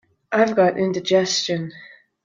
I've got indigestion.